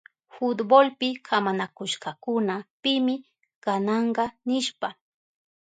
Fultbolpi kamanakushkakuna pimi gananka nishpa.